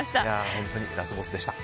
本当にラスボスでした。